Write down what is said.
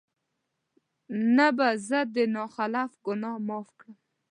نه به زه د نا خلف ګناه معاف کړم